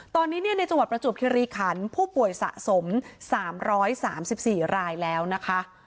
ตอนนี้ในจังหวัดประจวบคิริขันผู้ป่วยสะสม๓๓๔รายแล้วนะคะ